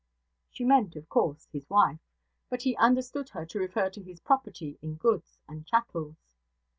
She meant, of course, his wife; but he understood her to refer to his property in goods and chattels.